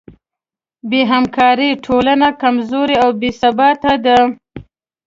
بېهمکارۍ ټولنه کمزورې او بېثباته ده.